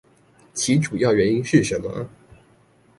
其主要原因是什麼？